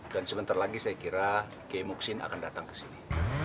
dan sebentar lagi saya kira kiai muksin akan datang ke sini